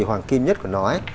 hoàng kim nhất của nó